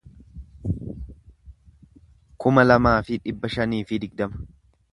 kuma lamaa fi dhibba shanii fi digdama